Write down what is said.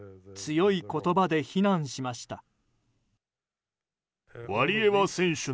強い言葉で非難しました。